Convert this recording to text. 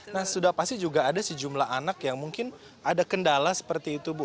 nah sudah pasti juga ada sejumlah anak yang mungkin ada kendala seperti itu bu